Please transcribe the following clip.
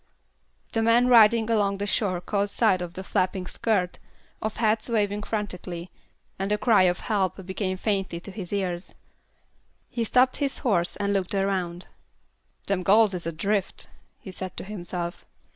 The man riding along the shore caught sight of the flapping skirt, of hats waving frantically, and the cry of "help" came faintly to his ears. He stopped his horse and looked around. "Them gals is adrift," he said to himself.